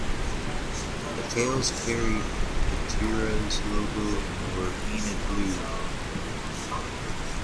The tails carried Futura's logo and were painted blue.